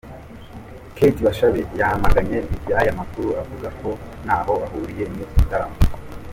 Kate Bashabe yamaganye iby'aya makuru avuga ko ntaho ahuriye n'iki gitaramo.